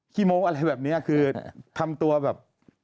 ี้มงค์อะไรแบบนี้คือทำตัวแบบ